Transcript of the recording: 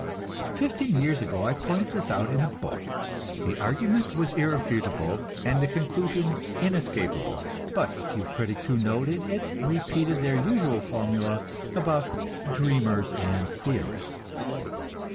Fifteen years ago I pointed this out in a book. The argument was irrefutable, and the conclusion inescapable, but the few critics who noted it repeated their usual formula about "dreamers and theorists."